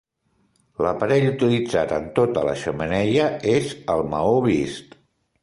L'aparell utilitzat en tota la xemeneia és el maó vist.